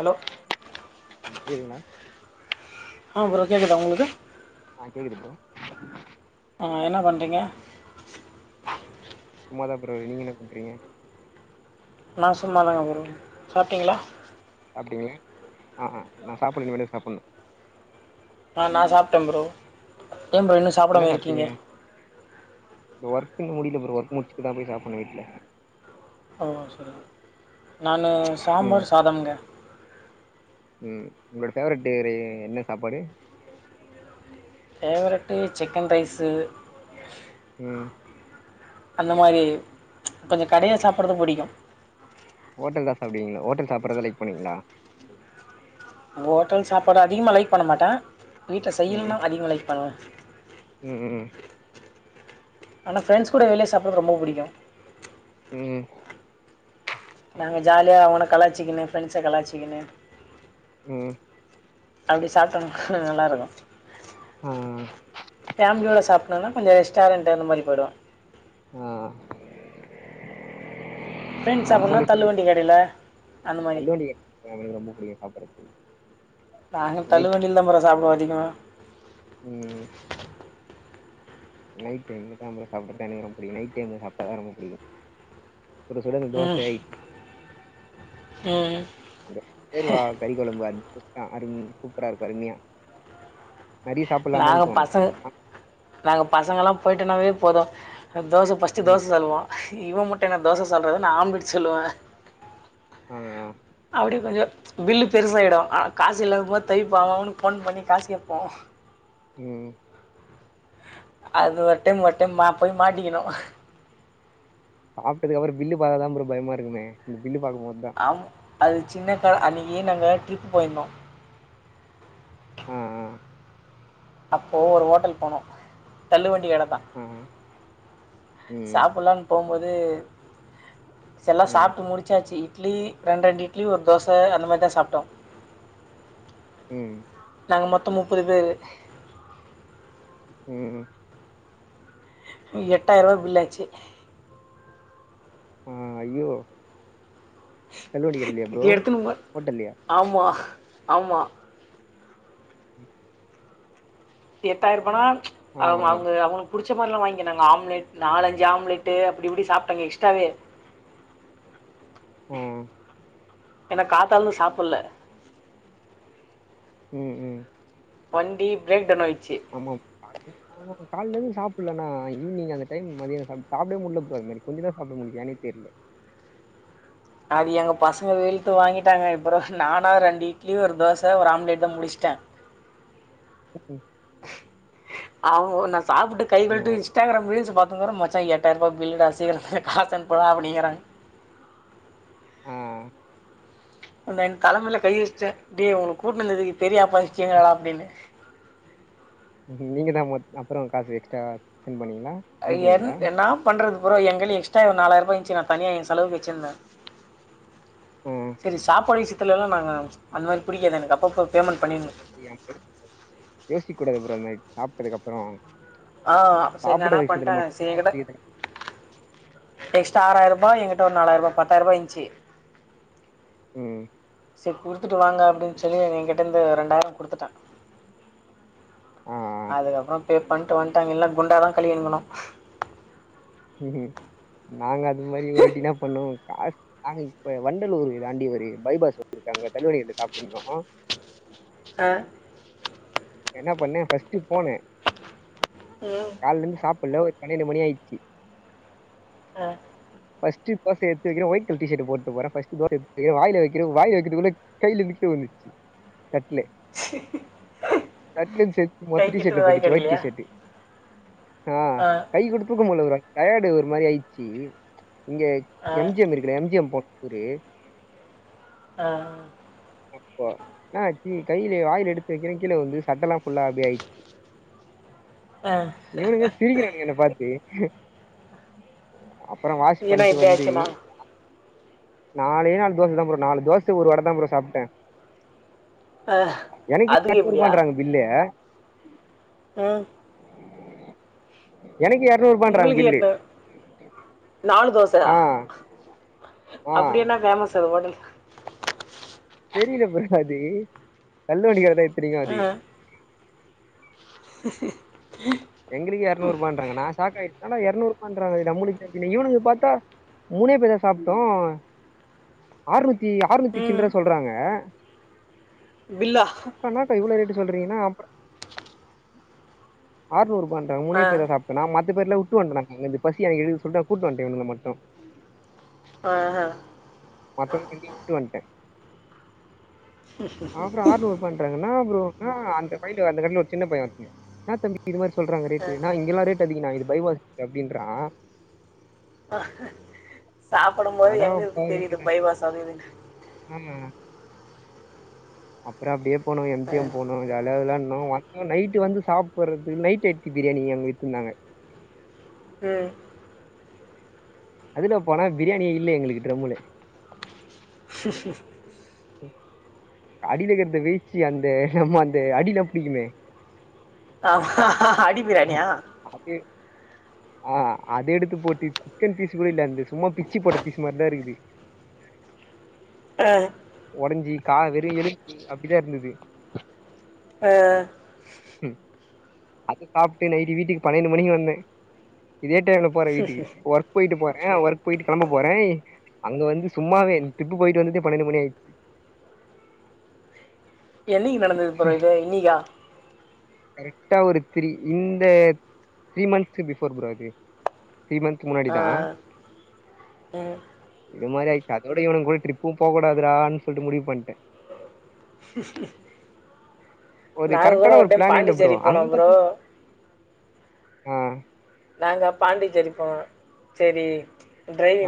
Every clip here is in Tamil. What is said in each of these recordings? ஹலோ ஒ பேரென்ன ஆ ப்ரோ கேட்குதா உங்ளுக்கு ஆ கேக்குது ப்ரோ ஆ என்ன பண்றீங்க சும்மாதா ப்ரோ நீங்க என்ன பண்றீங்க நா சும்மாதாங்க ப்ரோ சாப்டிங்ளா சாப்ட்டிங்கே ஆ ஆ நா சாப்புன்னு இனிமேதா சாப்புன்னு ஆ நா சாப்ட்டே ப்ரோ ஏன் ப்ரோ இன்னும் என்ன சாப்பிடாம இருக்கீங்க சாப்ட்டீங்க இந்த ஒர்க் இன்னு முடில ப்ரோ ஒர்க் முடிச்சுட்டுதா போய் சாப்புன்னு வீட்ல ஓ சேரிங் நானு ம் சாம்பார் சாதம்ங்க ம் உங்ளோட ஃபேவரெட் [unintelligible] என்ன சாப்பாடு ஃபேவரெட்டு சிக்கன் ரைஸ்சு ம் அந்த மாரி கொஞ்சோ கடைல சாப்புற்றது புடிக்கு ஹோட்டல்தா சாப்டுவீங்ளா ஹோட்டல் சாப்பறத லைக் பண்ணுவீங்களா ஹோட்டல் சாப்பாடு அதிகமா லைக் பண்ண மாட்டே வீட்ல ம் செய்யலன்னா அதிகமா லைக் பண்ணுவே ம் உம் ஆனா ஃபிரண்ட்ஸ் கூட வெளியே சாப்புற்றது ரொம்ப புடிக்கு உம் நாங்க ஜாலியா அவன கலாய்ச்சிக்குணு ஃப்ரெண்ட்ஸ கலாய்ச்சிக்குணு உம் அப்டி சாப்டா [unintelligible] நல்லாருக்கு ம் பேமிலியோட சாப்னோனா கொஞ்சொ ரெஸ்டாரண்ட்டு அந்த மாரி போய்டுவோ ஓ ப்ரெண்ட்ஸ் அப்டின்னா தள்ளு வண்டி கடைல அந்த மாரி தள்ளுவண்டி எனக்கு இது ரொம்ப புடிக்கு சாப்பட்ரக்கு நாங்க தள்ளு வண்டில தா போரோ சாப்டுவோ அதிகமா ம் நைட் டைம்ல [unintelligible] எனக்கு ரொம்ப புடிக்கு நைட் டைம்ல சாப்டாதா ரொம்ப புடிக்கு சுட சுட தோச இட் அ சேரிவா கறி கொழம்பு அ [unintelligible] அரும் சூப்பரா இருக்கு அரும்யா நாங்க பசங் நாங்க பசங்கெல்லா போயிட்டனாவே போது தோச ஃபர்ஸ்ட்டு ம் தோச சொல்வோ இவ மட்டு என்ன ஆ தோச சொல்றது நா ஆம்லட் சொல்லுவ ம் ம் அப்டியே கொஞ்சொ பில்லு பெருசாயிடு ஆனா காஸ் இல்லங் போது [unintelligible] அவ்அவனுக் ஃபோன் பண்ணி காஸ் கேப்போ ம் அது ஒரு டைம் ஒர் டைம் ம போய் மாட்டிக்குனோ சாப்டதுக்கப்புறோ பில்லு பாக்கதா ப்ரோ பயமா இருக்குமே இந்த பில்லு பாக்கு போதுதா அவ் அது சின்ன க அன்னிக்கி நாங்க ட்ரிப் போயிருந்தோ ஆ ஆ அப்போ ஒரு ஹோட்டல் போனோ தள்ளு வண்டி கட தா ஆ ம் சாப்புடலானு போம்போது எல்லா ம் சாப்ட்டு முடிச்சாச்சு இட்லி ரெண் ரெண்டு இட்லி ஒரு தோச அந்த மாரி தா சாப்ட்டோ ம் நாங்க மொத்தொ முப்பது பேரு ம் எட்டாயருவா பில்லாச்சு ஆ ஐயோ தள்ளுவண்டி கடைலயா ப்ரோ எடுத்துணு போ ஹோட்டல்லயா ஆமா ஆமா [inaudible] எட்டாயருபானா ஆ ஆமா ஆ அவுங்க அவுங்ளுக்கு புடிச்ச மாரி லா வாங்கினாங்க ஆம்லட் நாலஞ்சு ஆம்லட்டு அப்டி இப்டி சாப்ட்டாங்க எக்ஸ்ட்ராவே ம் ஏன்னா காத்தாலந்து சாப்புட்ல ம் ம் வண்டி பிரேக் டன் ஆயிச்சு ஆமா பா ஆமா காலந்து சாப்புட்ல நா ஈவ்னிங் அந்த டைம் மதியொ சாப்டே முட்ல போ அதுமாரி கொஞ்சொதா சாப்ட முடிஞ்சு ஏனே தெரில அது எங்க பசங்க வெளுத்து வாங்கிட்டாங்க அப்றொ நானா ரெண்டு இட்லி ஒரு தோச ஒரு ஆம்லேட் தா முடிச்ட்டே [inaudible] ஆவோ நா சாப்டுட்டு கை கலுட்டு ஆ இஸ்டாகிராம் ரீல்ஸ் பாத்தங்கிறோ மச்சா எட்டாயிருபா பில் டா சீக்கரொ காசு அனுப்புடா அப்டிங்குறாங் ம் அந்த தலமேல கை வச்ட்டே அப்டியே உன்ன கூட்டுனு வந்துக்கு பெரிய ஆப்பா வச்சிங்களடா அப்டின்னே நீங்க தா அப்றொ காசு எக்ஸ்ட்ரா சென் பண்ணிங்ளா என் என்னா பண்றது ப்றோ எங்கைல எக்ஸ்ட்டா நாலாயிர ருவா இருந்துச்சு நா தனியா எ செலவுக்கு வச்சுருந்தே ஆ சரி சாப்பாட் விசித்தல லா நாங்க அந்த மாரி புடிக்காது எனக்கு அப்பப்ப பேமெண்ட் பண்ணிருனு [unintelligible] யோசிக் கூடாது புரோ இதுமாரி சாப்புட்டதுக்ப்புரோ ஆ சரி நா எனா பண்ட்டே சேர் கி காசு இதுல எக்ஸ்டா ஆறாய்ருபா என்கிட்ட ஒரு நாலாய்ரபா பத்தாய்ர்ரூபா இன்ச்சு ம் சேர் குடுத்துட்டு வாங்க அப்டின்னு சொல்லி எங்க கிட்ட இருந்து ரெண்டாயிரோ குடுத்துட்டாங்க ஆ ஆ அதுக்கப்புரோ பே பண்ணிட்டு வன்டே இல்ல குண்டா தா கலுவீன்ங்கணு ம் நாங்க அது மாரி ஒர்ராட்டி இன்ன பண்ணோ காஸ் நாங்க இப்ப வண்டலூரு தாண்டி ஒரு பைபாஸ் வச்சிர்காங்க தள்ளுவடிகிட்ட சாப்பிட்ருக்கோ ச என்ன பண்ணே பஃர்ஸ்ட்டு போனே ம் கால்லிந்து சாப்பில்ல ஒரு பன்னெண்டு மணி ஆய்ச்சு ஆ பஸ்ட் தோசய எத்து வக்கிற ஒய்ட் கலர் டீசர்டு போட்டு போற ஃபஸ்ட் தோச ஏத்து வாய்ல வைக்கற வாய வக்கிதுக்குள்ள கைல மிச்ச உந்துச்சு தட்லே தட்ல சேத் கை மொத்த கிட்ட டீஷர்ட்ல வாய் பட்டுச்சு ஒயிட் கிடைக்கலையா டீஷர்ட்டு ஆ கை குடோதூக்கமுல்ல புரோ டையடு ஒரு மாரி ஆயிச்சு இங்க ஆ எம் ஜி எம் இருக்குல எம் ஜி எம் போ ஊரே ஆ அப்போ என்னாச்சு கைல வாய்ல எடுத்து வக்கிறே கீழ ஊந்து சட்டலா ஃபுல்லா அப்டி ஆய்ச்சு ஆ இவனுங்க சிரிக்கிறானுங்க என்ன பாத்து அப்பறோ வாஷ் ஏன்னா பண்டு இப்படி வந்து ஆச்சுண்ணா நாலே நாலு தோச தா ப்ரோ நாலு தோச ஒரு வட தா ப்ரோ சாப்ட்டே ஆ எனக்கே அதுக்கு எப்படியா எர்நூற்பான்றாங்க பில்லு ஆ எனக்கே எர்நூற் உங்ளுக்கு என்ன நாலு தோச ஆ ஆ அப்பிடி என்னா ஃபேமஸ் அது ஓட்டல்க்கு தெரியல ப்ரோ அது தல்லு வண்டிகடதா இத்தினிக்கு அது ம் எங்ளுக்கே எர்நூற்பான்றாங்க நா சாக் ஆய் என்னடா எர்நூற்பான்றாங்க இத நம்முலுக் இவனுங்களு பாத்தா மூணே பேர்தா சாப்ட்டோ ஆர்நூத்தி ஆர்நூத்தி ம் சில்ற சொல்றாங்க பில்லா அக்கா என்னாக்கா இவ்ளோ ரேட்டு சொல்றீங்கன்னா ஆற்நூற்பான்றாங்க ஆ மூனே பேர்தா சாப் டோ நா மத்த பேருல உட்டு வன்டே நா இங்ந்து பசியா எடுக்து சொல்ட்டு கூட்டு வன்டே இவ்னுங்ள மட்டு ஆஹ மத்தவங்க எல்லாரையு வுட்டு வன்டே அப்புற ஆற்நூற் பண்றாங் என்னா ப்ரோன்னா அந்த பயன்ட அந்த கடல ஒரு சின்ன பைய ஒர்த இன்னா தம்பி இது மாரி சொல்றாங்க ரேட்டு நா இங்கில்லா ரேட் அதிகன்னா இது பைவாசு அப்டின்றா சாப்பிடும் போது அடா எங்க இருந்து தெரிது பைவாஸ் அது இதுன்னு ஆமா அப்புற அப்டியே போனோ எம் ஜி ஆ. எம் போனோ ம் ஜாலியா விளான்னோ வ நைட்டு வந்து சாப்புறதுக் நைட் அட்தடி பிரியாணி அங்க வெச்சுருந்தாங்க ம் அதுல போனா பிரியாணியே இல்ல எங்களுக்கு ட்ரம்முள அடிலக்கிறத வேய்ச்சு அந்த நம்ம அந்த அடில புடிக்குமே அடி பிரியாணி யா அது ஆ அத எடுத்து போட்டு சிக்கன் பீஸு கூட இல்ல அந்து சும்மா பிச்சி போட்ட பீஸு மாரிதா இருக்குது அ ஒடஞ்சி கா வெரு எழும்பு பீஸ் அப்டிதா இருந்தது அ ம் அத சாப்ட்டு நைட்டு வீட்டுக்கு பன்னெண்டு மணிக்கு வந்தே இதே டைம்ல போறே வீட்டுக்கு ஒர்க் போயிட்டு போறே ஒர்க் போயிட்டு கெளம்ப போறே அங்க வந்து சும்மாவே டிரிப்பு போயிட்டு வந்துட்டே பன்னெண்டு மணி ஆயிச்சு என்னைக்கு நடந்தது ப்ரோ இது இன்னைக்கா கரெக்டா ஒரு த்ரீ இந்த த்ரீ மந்த்ஸ் பிஃபோர் ப்ரோ இது த்ரீ மந்த் த் ஆ முன்னாடிதா ம் இதுமாரி ஆய்ச்சு அதோட இவனுங்கூட ட்ரிப்பு போகூடாதுடான் சொல்ட்டு முடிவு பண்ட்டே ஒரு நாங்கள் கூட கரெக்டான ஒரு டைம் பிளானே இல்ல ப்ரோ பாண்டிச்சேரி போனோம் அங்க ப்ரோ ப ஆ நாங்க பாண்டிச்சேரி போனோ சேரி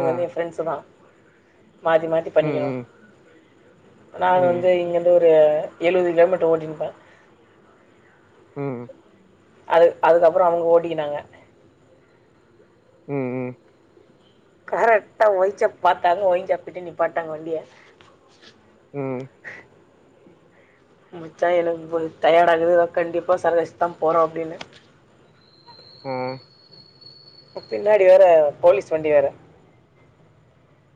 ஆ வந்து எ ஃப்ரெண்ட்ஸுதா மாத்தி மாத்தி ம் பண்ணிக்கணு ம் நான் ம் வந்து இங்கந் து ஒரு எழுவது கிலோமீட்டர் ஓட்டினுப்ப ம் அது அதுக்கப்பறோ அவுங்க ஓட்டிக்கினாங்க ம் கரெக்டா ஒயின்ஷாப் பாத்தாங்க ஒயின்ஷாப்கிட்ட நிப்பாட்டாங்க வண்டிய ம் மச்சா எனக்கு கொஞ் டயாடாகிது கண்டிப்பா சரகச்தா போறோ அப்டின்னு ம் பின்னாடி வேற போலீஸ் வண்டி வேற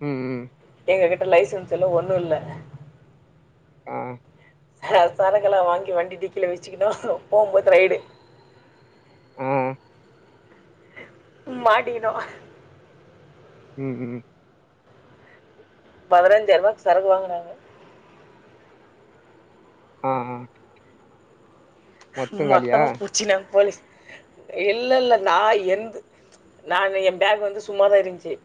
ம் ம் எங்ககிட்ட லைசன்ஸ் இல்ல ஒண்ணூ இல்ல ஆ சரக்கல்லா வாங்கி வண்டி டிக்கில வெச்சுக்கினோ போம்போது ரைடு ம் ம் மாட்டிகினோ ம் ம் பதினஞ்சாய்ர்ருபாக் சரக்கு வாங்குனாங்க ஆ ஆ மொத்தம் காலியா மொத்தமா புச்சிக்னாங் போலிஸ் இல்லல்ல நா என்து நானு என் பேக் வந்து சும்மாதா இருந்துச்சி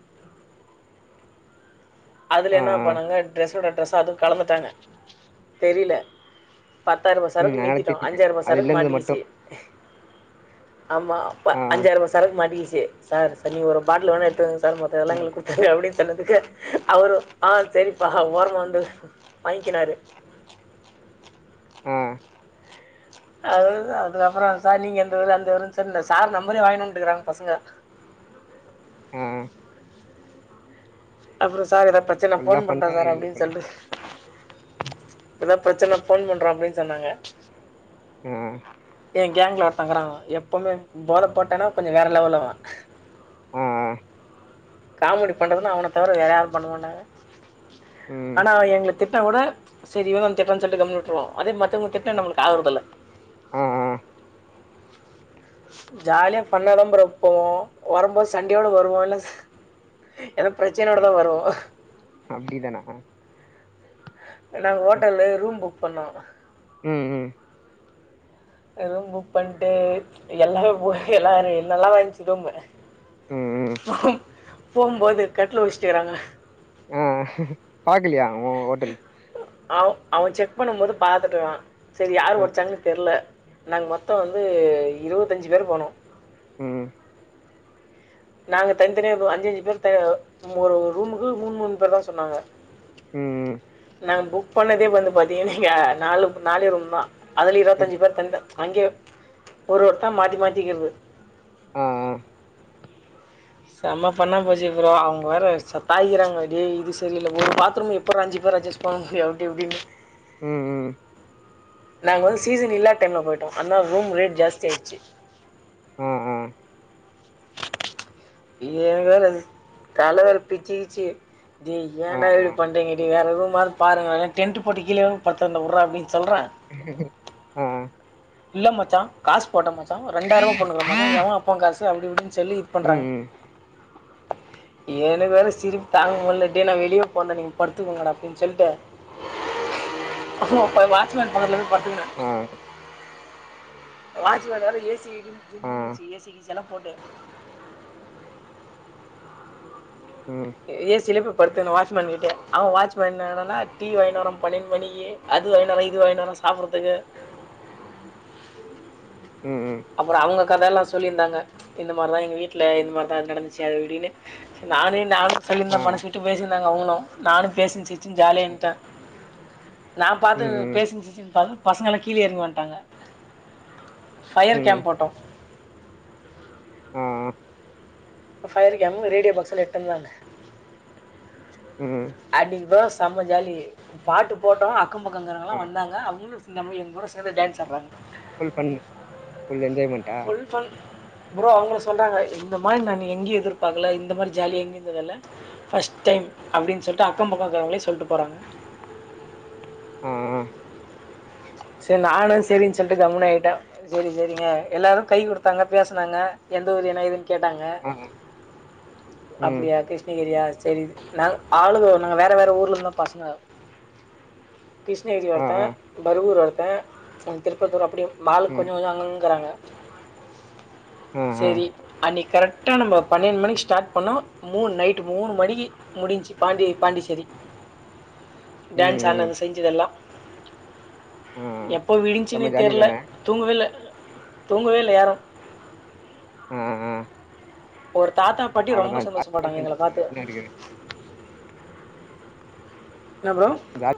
அதுல ஆ என்ன ஆ பண்ணாங்க ட்ரெஸ்ஸோட ட்ரெஸ்ஸா அதூ கலந்துட்டாங்க தெரீல பத்தாயிர்ருபா ம் சரக் அதனால மீத்திட்டோ திருத்திட்டேன் அஞ்சாயர்ரூவா அது சரக்கு இல்லேன்னது மாட்டிக்கிச்சி மட்டும் ஆமா ப ஆ அஞ்சாயர்ருவா சரக்கு மாட்டிக்கிசி சார் சார் நீங் ஒரு பாட்டில் வேணா எத்துகுங்க சார் ஆ மத்ததெல்லா ம் எங்ளுக்கு குத்துருங்க அப்டின் சொன்னதுக்கு அவரு ஆ சரிப்பா ஓரமா வந்து வாங்கினாரு ம் அவ்ளதா அதுக்கப்பறோ சார் நீங்க எந்தஊரு அந்த ஊருன் சொல்னு அந்த சார் நம்பரே வாங்கினு வந்ட்டுகிறாங்க பசங்க ஆ அப்பறோ சார் எதா பிரச்சனா ஃபுல்லா ஃபோன் பண்றோ ஃபன்னா சார் ஆயிருக்குது அப்டின் போல சொல்டு எதா பிரச்சன்னா ஃபோன் பண்றோ அப்டின் சொன்னாங்க ஆ எ கேங்க்ல ஒருத்தங்கிறா எப்பமே போத போட்டானா கொஞ்சோ வேற லெவல் அவ ஆ ஆ காமெடி பண்றதுன்னா அவன தவிர வேறயாரு பண்ண மாட்டாங்க ம் ஆனா அவ ஏங்ளுக் திட்னா கூட செரி இவந்தா வந்து திட்றான் சொல்ட்டு கம்னு விட்டுருவா அதே மத்தவ்ங்க திட்னா ம் நம்ளுக்கு ஆவறதில்ல ஆ ஆ ஜாலியா ஃபண்ணாதா ப்ரோ போவு வரம்போ சண்டையோட வருவோ இல்ல ஏனா பிரச்சனையோடதா வருவோ அப்டி தானா எல்லா ஹோட்டலு ரூம் புக் பண்ணுவாங்கோ ம் ம் ஆ ரூம் புக் பண்ட்டு எல்லாமே போ எல்லாரு என்னல்லா வாந்துச்சு ரூம்மு ம் ம் போம்போது கட்ல ஒட்ச்சிட்டுக்கிறாங்க ஆ பாக்கலையா அவ ஹோட்டல் அவ அவன் செக் பண்ணும் போது பாத்துட்டா செரி யாரு ஆ ஒடச்சாங்கனு தெர்ல நாங்க மொத்த வந்து இருவத்தஞ்சு பேர் போனோ ம் நாங்க தனித்தனியா போ அஞ்சு அஞ்சு பேர் ஒரு ஒரு ரூமுக்கு மூணு மூணு பேர் தா சொன்னாங்க ம் ம் நாங்க புக் பண்ணதே வந்து பாத்தீங்கனா இங்க நாலு நாலே ரூம்தா அதுல ம் இருவத்தஞ்சு பேர் தன்ட அங்க ஒரு ஒருத்த மாத்தி மாத்திக்கிறது ஆ ஆ செம ஃபன்னா போச்சு ஃப்ரோ அவங்க வேற சத்தாயிறாங்க டே இது சரியில்ல ஒரு பாத்ரூம்ல எப்ட்றா அஞ்சு பேர் அட்ஜஸ் போங்க அப்டி இப்டினு ம் ம் நாங்க வந்து சிசி டிவி இல்லா டைம்ல போய்டோ அதனால ரூம் ரேட் ஜாஸ்தி ஆய்ச்சு ஆ ஆ இவன் வேற தல வேற பிச்சுகிச்சு டேய் ஆ ஏன்டா ஆ இப்டி பண்றீங்க டேய் வேற ரூமாது பாருங்களே டென்ட் போட்டு கீழ வந் படுத்துரன்டா உட்றா அப்டின் சொல்ற ஆ இல்ல மச்சா காசு போட்ட மச்சா ஒரு ரெண்டாயிருபா போட்னுக்குற மச்சா எவ அப்பங்காசு அப்டி இப்டின் சொல்லி ம் பண்ணுறாங்க ம் எனக்கு வேற சிரிப்பு தாங்க முடில டேய் நா வெளியபோறன்டா நீங்க படுத்துக்கோங்கடா அப்டின் சொல்ட்டு அப்றோ வாட்சமேன் பக்கத்துல போய் படுத்துகுன ம் வாட்மேன் வேற ஏ சி ஜிம் கும்முனு ம் இருந்ச்சு ஏ சி கீ சி எல போட்டு ம் ஏசில போய் படுத்தொன வாட்ச்மேன் கிட்ட அவ வாட்ச்மேன் என்னாடான டி வாங்கிட்டு வரா பன்னெண்டு மணிக்கி அது வாங்கினு வரா இது வாங்கினு வரா சாப்பறதுக்கு ம் ம் அப்றம அவங்க கதலா சொல்லிருந்தாங்க இந்த மாரிலா எங்க வீட்ல இந்த மாரி இந்த மாரி நடந்துச்சு அப்டினு இப்டினு நானு நானு சொல்லிருந்த மனசு விட்டு பேசிருந்தாங்க அவங்களு நானு பேசினு சிரிச் சினு ஜாலியா இருந்ட்ட நா ம் பாத்து ம் ம் பேசினு சிரிச்சினு பண் பசங்கல்லா கீழ எறங்கி வந்டாங்க ஃபையர் ம் கேம்ப் போட்டோ ஓ அப்ப ஃபையர் கேமு ரேடியோ பாக்ஸ்லா எட்டு வந்தான ம் அன்னிக்கிதா செம்ம ஜாலி பாட்டு போட்டோ அக்க ஆ பக்கருக்கறவங்களா வந்தாங்க அவங்களு நம்ம எங்க கூட சேந்து டான்ஸ் ஆட்றாங்க ஃபுல் ஃபன் ஃபுல் என்ஜாய்மெண்டா ஃபுல் ஃபன் ஃப்ரோ அவங்களே சொல்றாங்க இந்த மாரி நானு எங்கியு எதிர்பாக்கல இந்த மாரி ஜாலி எங்கியு இருந்ததில்ல ஃபஸ்ட் டைம் அப்டின் சொல்ட்டு அக்க பக்க இருக்குறவங்களே சொல்ட்டு போறாங்க ஓ ஓ செரி நானு செரின் சொல்ட்டு கம்முனு ஆய்ட்ட செரி செரிங்க எல்லாரு கை குடுத்தாங்க பேசுனாங்க எந்த ஊரு என்ன ஏதுன் கேட்டாங்க ஆ ம் அப்டியா கிருஷ்ணகிரியா சரி நா ஆளுகோ நாங்க வேற வேற ஊர்ல இருந்து பசங்க கிருஷ்ணகிரி ஆ வருந்தே ஆ பருவூர் வந்தே திருப்பத்தூர் அப்டி மால் ம் கொஞ்ச கொஞ்ச அங்கங்கிறாங்க ஆ ஆ சேரி அன்னைக் கரெக்டா நம்ம பண்ணெண்டு மணிக் ஸ்டார்ட் பண்ணோ மூணு நைட்டு மூணு மணிக்கு முடிஞ்சு பாண்டி பாண்டிச்சேரி ம் டான்ஸ் ம் ஆடனது செஞ்சதெல்லா ஆ எப்போ செம்ம விடிஞ்னுனே ஜாலி தெர்ல தான தூங்கவேல்ல தூங்கவேல்ல யாரு ம் ம் ஒரு தாத்தா பாட்டி ரொம்ப சந்தோஷப்பட்டாங்க எங்கள பாத்து என்ன இருக்குது என்னா ப்ரோ ஜா